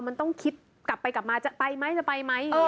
มันต้องคิดกลับไปกลับมาจะไปไหมจะไปไหม